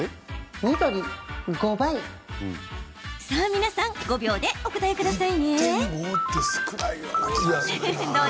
皆さん５秒でお答えくださいね。